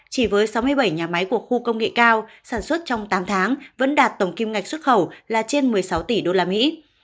chỉ với sáu mươi bảy nhà máy của khu công nghệ cao sản xuất trong tám tháng vẫn đạt tổng kim ngạch xuất khẩu là trên một mươi sáu tỷ đô la mỹ